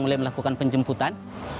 mulai melakukan penjemputan